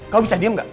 kamu bisa diem gak